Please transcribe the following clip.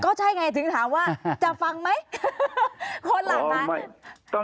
ก็ใช่ไงถึงถามว่าจะฟังไหมคนหลังไหม